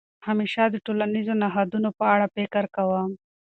همېشه د ټولنیزو نهادونو په اړه فکر کوم.